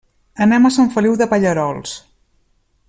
Anem a Sant Feliu de Pallerols.